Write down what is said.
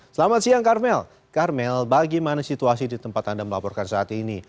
selamat siang karmel karmel bagaimana situasi di tempat anda melaporkan saat ini